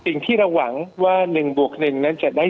สิ่งที่เราหวังว่า๑บวก๑นั้นจะได้